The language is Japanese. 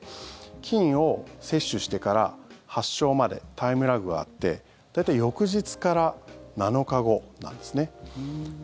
菌を摂取してから発症までタイムラグがあって大体翌日から７日後なんですね。